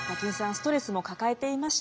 ストレスも抱えていました。